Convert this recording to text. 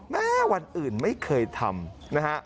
วันอื่นไม่เคยทำนะฮะ